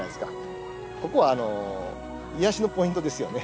ここは癒やしのポイントですよね。